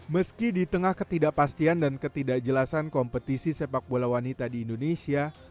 meski di tengah ketidakpastian dan ketidakjelasan kompetisi sepak bola wanita di indonesia